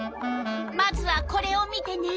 まずはこれを見てね。